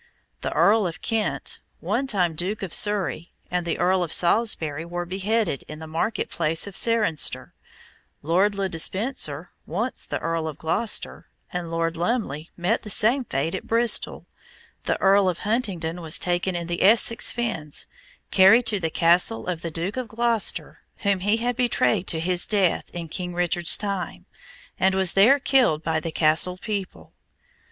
The Earl of Kent one time Duke of Surrey and the Earl of Salisbury were beheaded in the market place at Cirencester; Lord Le Despencer once the Earl of Gloucester and Lord Lumley met the same fate at Bristol; the Earl of Huntingdon was taken in the Essex fens, carried to the castle of the Duke of Gloucester, whom he had betrayed to his death in King Richard's time, and was there killed by the castle people.